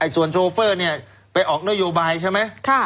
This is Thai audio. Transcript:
ส่วนโชเฟอร์ไปออกนโยบายใช่ไหม